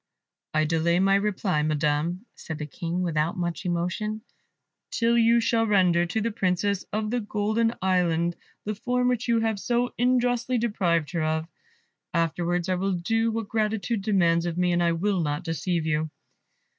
"I delay my reply, Madam," said the King, without much emotion, "till you shall render to the Princess of the Golden Island the form which you have so unjustly deprived her of; afterwards I will do what gratitude demands of me, and I will not deceive you."